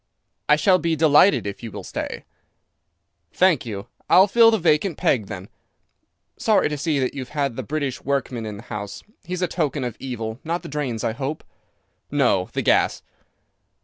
"I shall be delighted if you will stay." "Thank you. I'll fill the vacant peg then. Sorry to see that you've had the British workman in the house. He's a token of evil. Not the drains, I hope?" "No, the gas."